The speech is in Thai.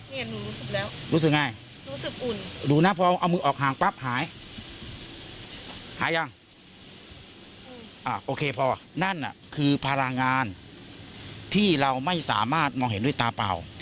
หนูรู้สึกแล้วรู้สึกไงรู้สึกอุ่นดูนะพอเอามือออกห่างปั๊บหายหายยังอ่าโอเคพอนั่นน่ะคือพลังงานที่เราไม่สามารถมองเห็นด้วยตาเปล่า